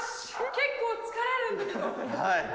結構疲れるんだけど。